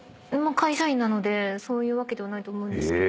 会社員なのでそういうわけではないと思うんですけど。